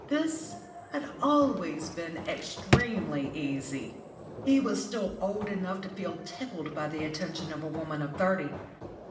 This had always been extremely easy. He was still old enough to feel tickled by the attention of a woman of thirty.